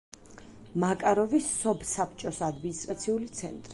მაკაროვის სოფსაბჭოს ადმინისტრაციული ცენტრი.